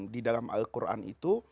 di dalam al quran itu